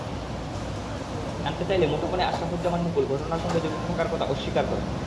জানতে চাইলে মুঠোফোনে আশরাফুজ্জামান মুকুল ঘটনার সঙ্গে জড়িত থাকার কথা অস্বীকার করেন।